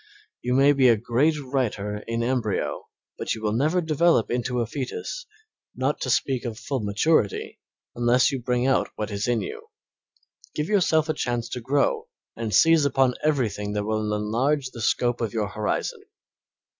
You may be a great writer in embryo, but you will never develop into a fetus, not to speak of full maturity, unless you bring out what is in you. Give yourself a chance to grow and seize upon everything that will enlarge the scope of your horizon.